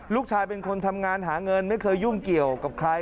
ลูกชายเป็นคนทำงานหาเงินไม่เคยยุ่งเกี่ยวกับใคร